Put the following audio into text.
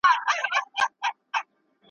چي ځواني رخصتېدله مستي هم ورسره ولاړه `